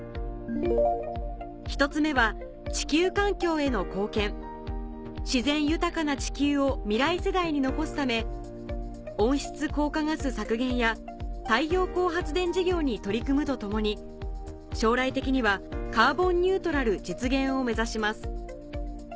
１つ目は自然豊かな地球を未来世代に残すため温室効果ガス削減や太陽光発電事業に取り組むとともに将来的にはカーボンニュートラル実現を目指します